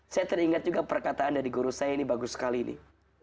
saya teringat juga perkataan dari guru saya ini bagus sekali nih